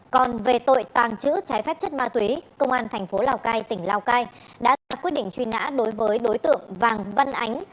còn về tội tàng trữ trái phép chất ma túy công an thành phố lào cai tỉnh lào cai đã ra quyết định truy nã đối với đối tượng vàng văn ánh